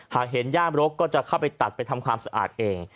หากเห็นย่ามรกก็จะเข้าไปตัดไปทำความสะอาดเอง